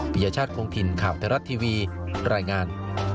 พิญญาชาติกรงถิ่นขาบทรัศน์ทีวีรายงาน